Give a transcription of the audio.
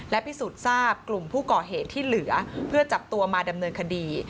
และพิสูจน์ทราบกลุ่มผู้ก่อเหตุที่เหลือเพื่อจับตัวมาดำเนินคดี